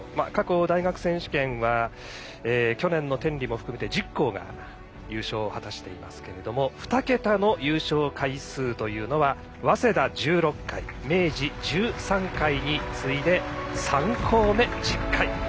過去、大学選手権は去年の天理も含めて１０校が優勝を果たしていますが２桁の優勝回数というのは早稲田１６回明治１３回に次いで３校目、１０回。